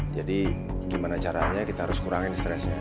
jadi gimana caranya kita harus kurangin stresnya